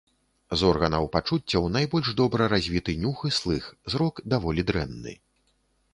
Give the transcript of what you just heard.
З органаў пачуццяў найбольш добра развіты нюх і слых, зрок даволі дрэнны.